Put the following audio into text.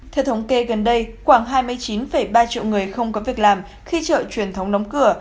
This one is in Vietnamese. theo thống kê gần đây khoảng hai mươi chín ba triệu người không có việc làm khi chợ truyền thống đóng cửa